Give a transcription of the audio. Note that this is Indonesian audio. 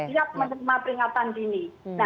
setiap menerima peringatan dini